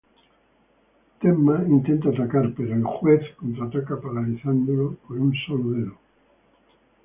Tenma intenta atacar, pero el Juez contraataca paralizando con un solo dedo.